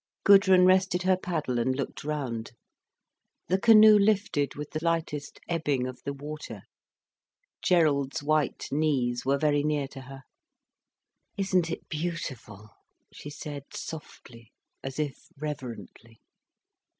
Gudrun rested her paddle and looked round. The canoe lifted with the lightest ebbing of the water. Gerald's white knees were very near to her. "Isn't it beautiful!" she said softly, as if reverently.